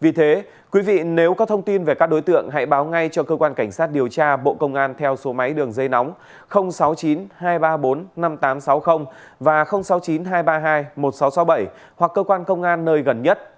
vì thế quý vị nếu có thông tin về các đối tượng hãy báo ngay cho cơ quan cảnh sát điều tra bộ công an theo số máy đường dây nóng sáu mươi chín hai trăm ba mươi bốn năm nghìn tám trăm sáu mươi và sáu mươi chín hai trăm ba mươi hai một nghìn sáu trăm sáu mươi bảy hoặc cơ quan công an nơi gần nhất